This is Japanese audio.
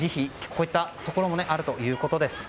こういったところもあるということです。